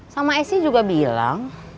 sama esi juga bilang